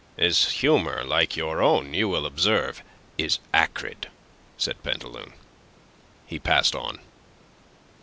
"His humour, like your own, you will observe, is acrid," said Pantaloon. He passed on.